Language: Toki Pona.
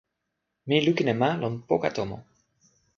mi lukin e ma lon poka tomo.